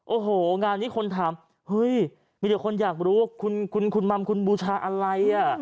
โอ้โหงานนี้คนถามเฮ้ยมีแต่คนอยากรู้ว่าคุณมัมคุณบูชาอะไรอ่ะ